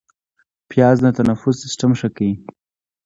پیاز د تنفس سیستم ښه کوي